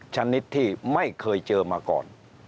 ชนิดที่ไม่เคยเจอมาก่อน